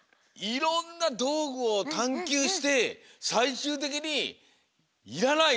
いろんなどうぐをたんきゅうしてさいしゅうてきに「いらない